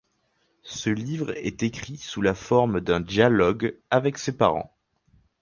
Ce livre est écrit sous la forme d'un dialogue avec ses parents.